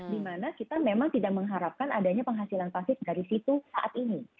dimana kita memang tidak mengharapkan adanya penghasilan pasif dari situ saat ini